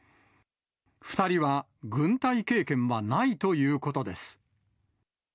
２人は軍隊経験はないということです。